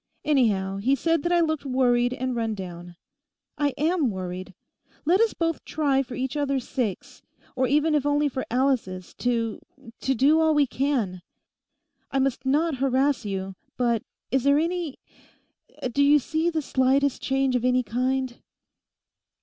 Anyhow, he said that I looked worried and run down. I am worried. Let us both try for each other's sakes, or even if only for Alice's, to—to do all we can. I must not harass you; but is there any—do you see the slightest change of any kind?